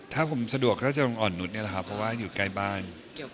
ถ้าสะดวกผมอ่อนนุดไงนะครับเพราะอยู่ใกล้บ้าน